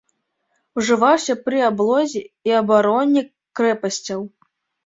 Ужываўся пры аблозе і абароне крэпасцяў.